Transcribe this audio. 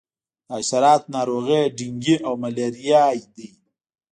د حشراتو ناروغۍ ډینګي او ملیریا دي.